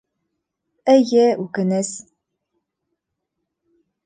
Эйе, үкенес...